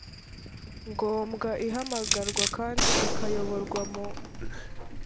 ngombwa ihamagarwa kandi ikayoborwa mu